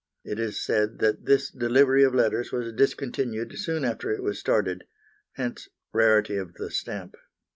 It is said that this delivery of letters was discontinued soon after it was started, hence rarity of the stamp.